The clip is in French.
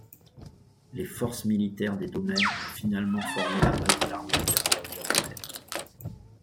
Les forces militaires des domaines ont finalement formé la base de l'armée impériale japonaise.